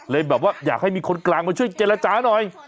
แบบว่าอยากให้มีคนกลางมาช่วยเจรจาหน่อย